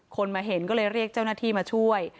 คนมาเห็นก็เลยเรียกเจ้าหน้าที่มาช่วย